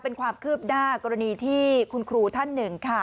เป็นความคืบหน้ากรณีที่คุณครูท่านหนึ่งค่ะ